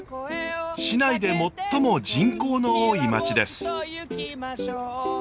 市内で最も人口の多い町です。